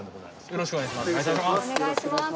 よろしくお願いします。